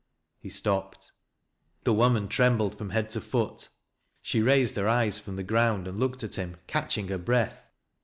He stopped. The woman trembled from head to foot. She raised her eyes from the ground and looked at hixn catching her breath.